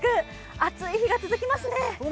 暑い日が続きますね。